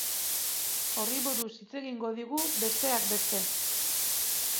Horri buruz hitz egingo digu, besteak beste.